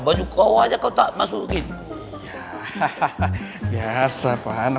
baju kau aja kau tak masukin